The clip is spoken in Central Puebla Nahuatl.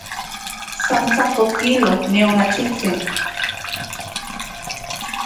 San tlajko kilo, nion okachitsin.